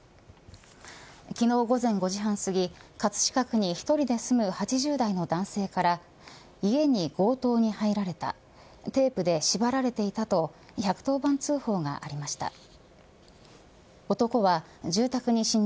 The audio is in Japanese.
昨日午前５時半すぎ葛飾区に１人で住む８０代の男性から家に強盗に入られたテープで縛られていたと１１０番通報がありました。